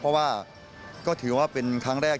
เพราะว่าก็ถือว่าเป็นครั้งแรก